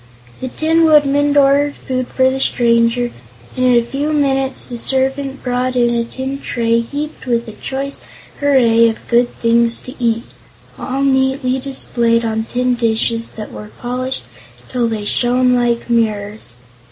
The Tin Woodman ordered food for the stranger, and in a few minutes the servant brought in a tin tray heaped with a choice array of good things to eat, all neatly displayed on tin dishes that were polished till they shone like mirrors.